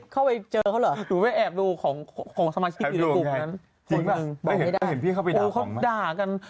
กลุ่มเดียวเข้าไปเจอเข้าเหรอ